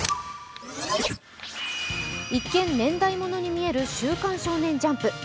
一見、年代物に見える「週刊少年ジャンプ」。